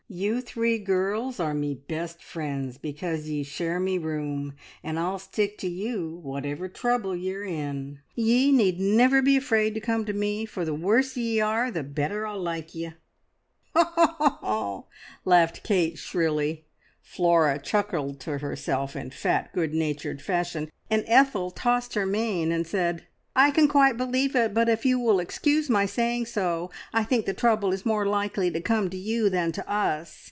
You three girls are me best friends because ye share me room, and I'll stick to you, whatever trouble ye're in. Ye need never be afraid to come to me, for the worse ye are, the better I'll like ye!" "Ho, ho, ho!" laughed Kate shrilly. Flora chuckled to herself in fat, good natured fashion, and Ethel tossed her mane and said "I can quite believe it, but if you will excuse my saying so, I think the trouble is more likely to come to you than to us!